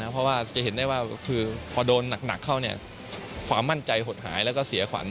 เพราะว่าจะเห็นได้ว่าคือพอโดนหนักเข้าความมั่นใจหดหายแล้วก็เสียขวัญ